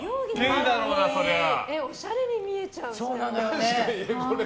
おしゃれに見えちゃう。